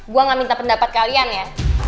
gue gak minta pendapat kalian ya